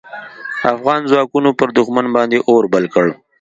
افغان ځواکونو پر دوښمن باندې اور بل کړ.